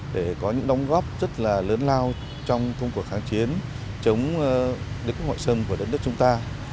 để có những đóng góp rất là lớn lao trong công cuộc kháng chiến chống đất nước ngoại sâm của đất nước chúng ta